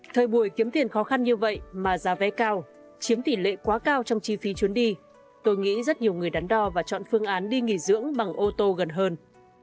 thời buổi kiếm tiền khó khăn như vậy mà giá vé cao chiếm tỷ lệ quá cao trong chi phí chuyến đi tôi nghĩ rất nhiều người đắn đo và chọn phương án đi nghỉ dưỡng bằng ô tô gần hơn